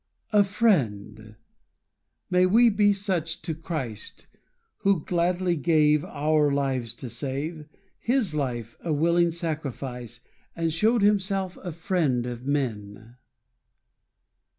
A friend may we be such to Christ, Who gladly gave, Our lives to save. His life a willing sacrifice, And showed himself a friend of men.